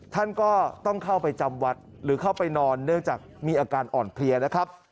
ท่านก็ต้องเข้าไปจำวัดหรือเข้าไปนอนเนื่องจากมีอาการอ่อนเพลียนะครับ